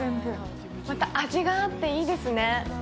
また味があっていいですね。